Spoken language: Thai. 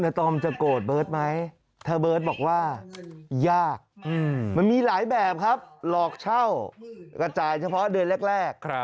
ตอมจะโกรธเบิร์ตไหมถ้าเบิร์ตบอกว่ายากมันมีหลายแบบครับหลอกเช่ากระจายเฉพาะเดือนแรก